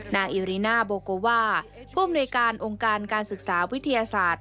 อิริน่าโบโกว่าผู้อำนวยการองค์การการศึกษาวิทยาศาสตร์